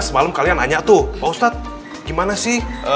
semalam kalian tanya tuh pak ustad gimana sih